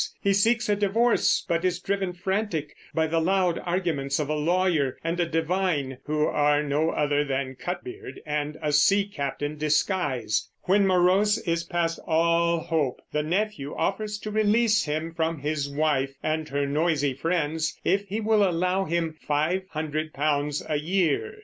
He seeks a divorce, but is driven frantic by the loud arguments of a lawyer and a divine, who are no other than Cutbeard and a sea captain disguised. When Morose is past all hope the nephew offers to release him from his wife and her noisy friends if he will allow him five hundred pounds a year.